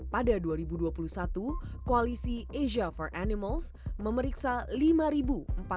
pada dua ribu dua puluh satu koalisi asia for animals memeriksa lima empat ratus delapan puluh video kekejaman